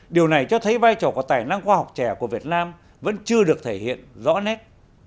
điều này cho thấy vai trò của tài năng khoa học trẻ của việt nam vẫn chưa được thể hiện rõ nét